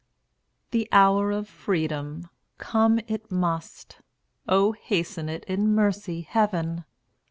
The hour of freedom! come it must. O hasten it, in mercy, Heaven!